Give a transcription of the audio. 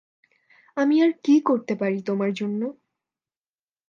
আমি আর কী করতে পারি তোমার জন্য?